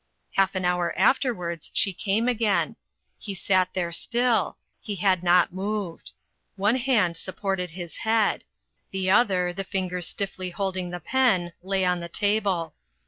Half an hour afterwards she came again. He sat there still he had not moved. One hand supported his head; the other, the fingers stiffly holding the pen, lay on the table.